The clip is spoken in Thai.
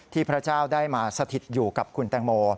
พระเจ้าได้มาสถิตอยู่กับคุณแตงโม